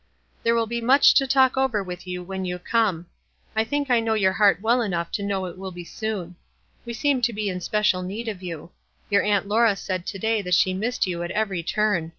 There will be much to talk over with you when you come. I think I know your WISE AND OTHERWISE. 195 heart well enough to know it will be soon. We seem to be in special need of you. Your Aunt Laura said to day that she missed you at every turn.